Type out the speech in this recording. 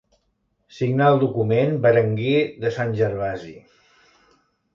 Signà el document Berenguer de Sant Gervasi.